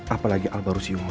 apalagi al baru si umar